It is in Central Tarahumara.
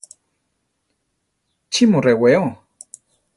¿Chí mu rewéo?